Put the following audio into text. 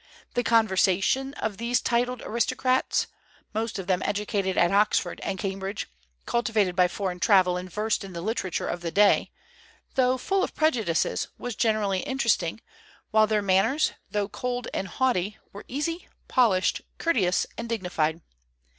The conversation of these titled aristocrats, most of them educated at Oxford and Cambridge, cultivated by foreign travel, and versed in the literature of the day, though full of prejudices, was generally interesting; while their manners, though cold and haughty, were easy, polished, courteous, and dignified.